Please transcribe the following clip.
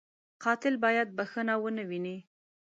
قاتل باید بښنه و نهويني